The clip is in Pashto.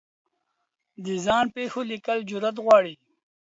د ځان پېښو لیکل جرعت غواړي.